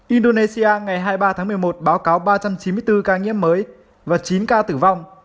indonesia ngày hai mươi ba tháng một mươi một báo cáo ba trăm chín mươi bốn ca nhiễm mới và chín ca tử vong